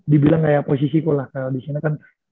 dibilang kayak posisiku lah kalau di sini kan